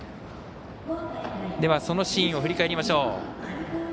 そのシーンを振り返りましょう。